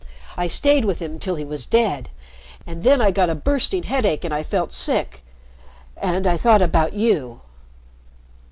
I stayed with him till he was dead and then I got a bursting headache and I felt sick and I thought about you."